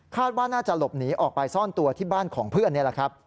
ว่าน่าจะหลบหนีออกไปซ่อนตัวที่บ้านของเพื่อนนี่แหละครับ